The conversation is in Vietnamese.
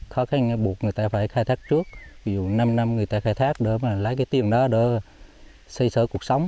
khó khăn bụt người ta phải khai thác trước ví dụ năm năm người ta khai thác đó mà lấy cái tiền đó đó